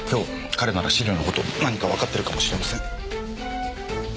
彼なら資料の事何かわかってるかもしれません。